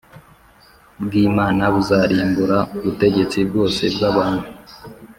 bw Imana buzarimbura ubutegetsi bwose bw abantu